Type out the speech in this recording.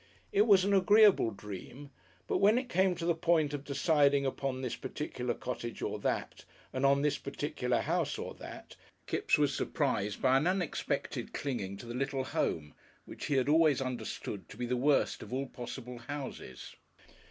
It was an agreeable dream, but when it came to the point of deciding upon this particular cottage or that, and on this particular house or that, Kipps was surprised by an unexpected clinging to the little home, which he had always understood to be the worst of all possible houses.